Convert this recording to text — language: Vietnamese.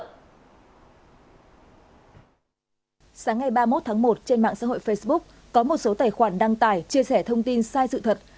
sáng ngày ba mươi một tháng một trên mạng xã hội facebook có một số tài khoản đăng tải chia sẻ thông tin sai sự thật